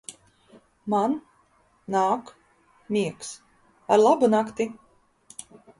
Man. Nāk. Miegs. Arlabunakti!